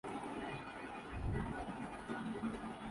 FIFA world cup کے semi final مرحلے کا غاز کل سے ہو گا